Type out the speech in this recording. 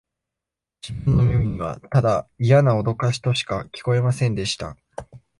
自分の耳には、ただイヤなおどかしとしか聞こえませんでした